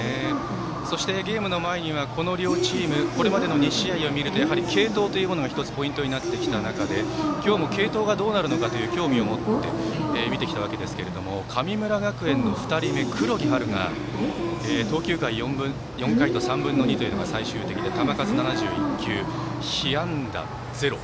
ゲームの前にはこの両チームこれまでの２試合を見ると継投というものが１つポイントになってきた中で今日も継投がどうなるのかという興味を持って見てきたわけですが神村学園の２人目、黒木陽琉が投球回４回と３分の２というのが最終的で球数７１球被安打０。